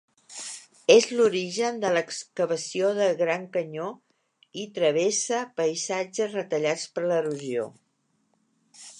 És l'origen de l'excavació del Gran Canyó i travessa paisatges retallats per l'erosió.